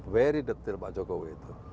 very detail pak jokowi itu